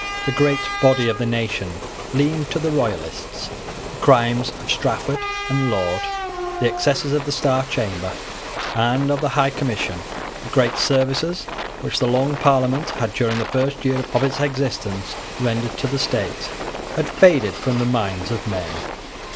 The great body of the nation leaned to the Royalists. The crimes of Strafford and Laud, the excesses of the Star Chamber and of the High Commission, the great services which the Long Parliament had, during the first year of its existence, rendered to the state, had faded from the minds of men.